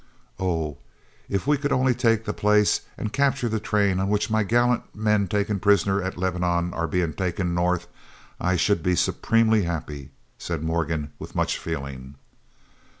"Oh! If we could only take the place, and capture the train on which my gallant men taken prisoners at Lebanon are being taken North, I should be supremely happy," said Morgan, with much feeling.